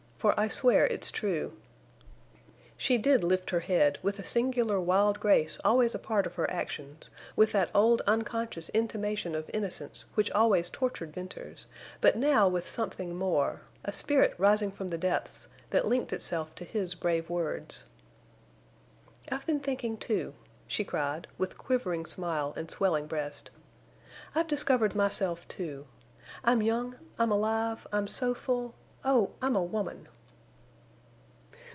For I swear it's true." She did lift her head with the singular wild grace always a part of her actions, with that old unconscious intimation of innocence which always tortured Venters, but now with something more—a spirit rising from the depths that linked itself to his brave words. "I've been thinking—too," she cried, with quivering smile and swelling breast. "I've discovered myself—too. I'm young—I'm alive—I'm so full—oh! I'm a woman!"